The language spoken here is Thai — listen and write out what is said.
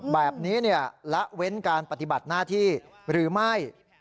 แบบนี้ละเว้นการปฏิบัติหน้าที่หรือไม่